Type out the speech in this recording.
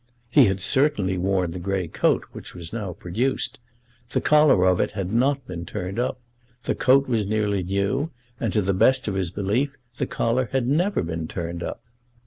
He had certainly worn the grey coat which was now produced. The collar of it had not been turned up. The coat was nearly new, and to the best of his belief the collar had never been turned up.